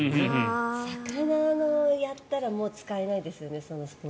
魚やったらもう使えないですよね。